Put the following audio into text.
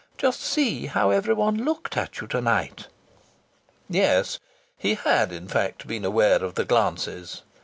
Just see how everyone looked at you to night!" Yes, he had in fact been aware of the glances.